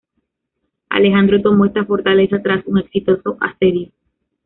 Alejandro tomó esta fortaleza tras un exitoso asedio.